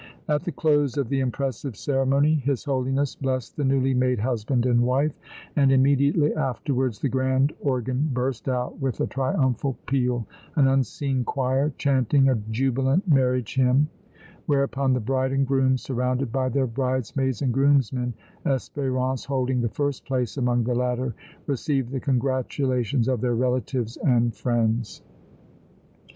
At the close of the impressive ceremony His Holiness blessed the newly made husband and wife, and immediately afterwards the grand organ burst out with a triumphal peal, an unseen choir chanting a jubilant marriage hymn, whereupon the bride and groom surrounded by their bridesmaids and groomsmen, Espérance holding the first place among the latter, received the congratulations of their relatives and friends.